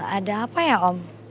ada apa ya om